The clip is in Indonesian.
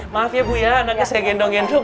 maaf ya bu ya anaknya saya gendong gendong